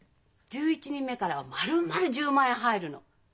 １１人目からはまるまる１０万円入るの。